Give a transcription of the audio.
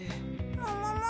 ももも？